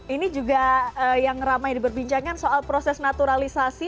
ini juga yang ramai diberbincangkan soal proses naturalisasi